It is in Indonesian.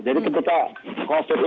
jadi betul betul konsumsi